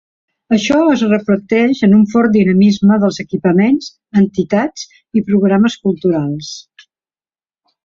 Això es reflecteix en un fort dinamisme dels equipaments, entitats, i programes culturals.